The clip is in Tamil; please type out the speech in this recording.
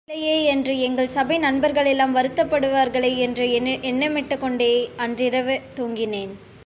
நாங்கள் திரும்பி வரவில்லையேயென்று எங்கள் சபை நண்பர்களெல்லாம் வருத்தப்படுவார்களேயென்று, எண்ணமிட்டுக்கொண்டே அன்றிரவு தூங்கினேன்.